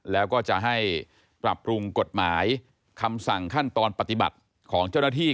แล้วก็จะให้ปรับปรุงกฎหมายคำสั่งขั้นตอนปฏิบัติของเจ้าหน้าที่